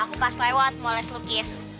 aku ke sini sama temen aku yang nangis